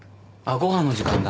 ご飯の時間だ。